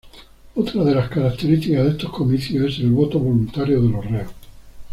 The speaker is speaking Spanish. Otras de las características de estos comicios es el voto voluntario de los reos.